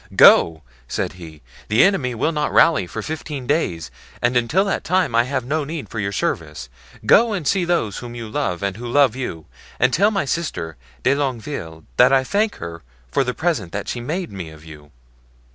'Go,' said he; 'the enemy will not rally for fifteen days and until that time I have no need of your service. Go and see those whom you love and who love you, and tell my sister De Longueville that I thank her for the present that she made me of you.